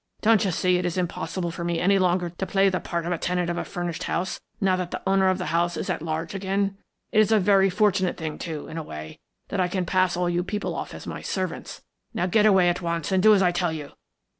Don't you see it is impossible for me any longer to play the part of a tenant of a furnished house, now that the owner of the house is at large again? It is a very fortunate thing, too, in a way, that I can pass all you people off as my servants. Now get away at once and do as I tell you.